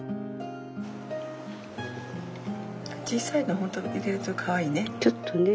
小さいの本当入れるとかわいいね。